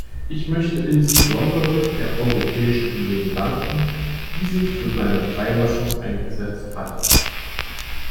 Ich möchte insbesondere der Europäischen Union danken, die sich für seine Freilassung eingesetzt hat.